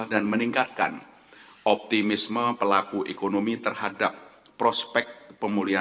dan meningkatkan optimisme pelaku ekonomi terhadap prospek pemulihan ekonomi global